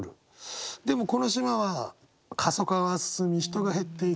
でもこの島は過疎化が進み人が減っていく。